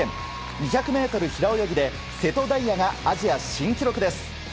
２００ｍ平泳ぎで瀬戸大也がアジア新記録です。